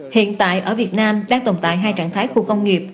hiện tại ở việt nam đang tồn tại hai trạng thái khu công nghiệp